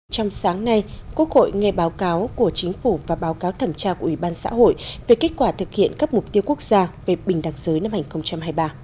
trong sáng nay quốc hội nghe báo cáo của chính phủ và báo cáo thẩm tra của ủy ban xã hội về kết quả thực hiện các mục tiêu quốc gia về bình đẳng giới năm hai nghìn hai mươi ba